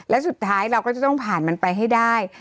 และสุดท้ายเราก็จะต้องผ่านมันไปให้ได้